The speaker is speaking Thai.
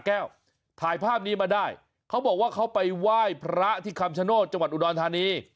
แก้วถ่ายภาพนี้มาได้เขาบอกว่าเขาไปไหว้พระที่คำชโนธจังหวัดอุดรธานี